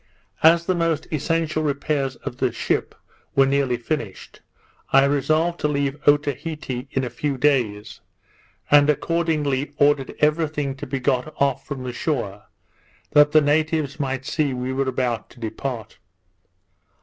As the most essential repairs of the ship were nearly finished, I resolved to leave Otaheite in a few days; and accordingly ordered every thing to be got off from the shore, that the natives might see we were about to depart.